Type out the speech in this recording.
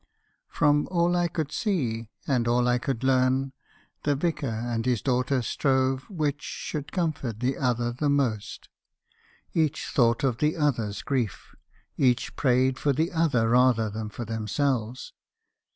"From all I could see, and all I could learn, the vicar and me. haeeison's confessions. 267 his daughter strove which should comfort the other the most. Each thought of the other's grief, — each prayed for the other rather than for themselves.